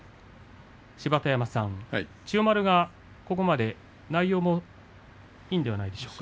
芝田山さん、千代丸、ここまで内容もいいのではないですか。